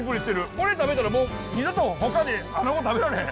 これ食べたらもう二度とほかでアナゴ食べられへん。